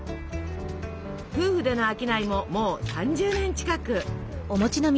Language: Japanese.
夫婦での商いももう３０年近く。